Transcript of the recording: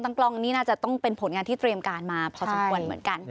กล้องนี่น่าจะต้องเป็นผลงานที่เตรียมการมาพอสมควรเหมือนกัน